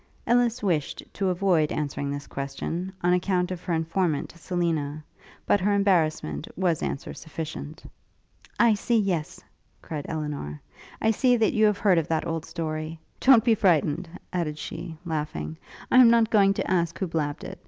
Ellis wished to avoid answering this question, on account of her informant, Selina; but her embarrassment was answer sufficient. 'I see yes!' cried Elinor, 'I see that you have heard of that old story. Don't be frightened,' added she, laughing, 'I am not going to ask who blabbed it.